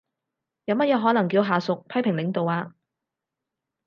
有乜嘢可能叫下屬批評領導呀？